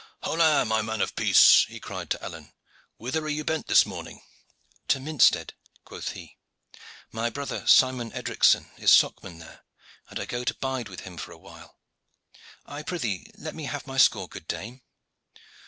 "Hola! my man of peace," he cried to Alleyne, "whither are you bent this morning?" "To Minstead," quoth he. "My brother Simon Edricson is socman there, and I go to bide with him for a while. I prythee, let me have my score, good dame."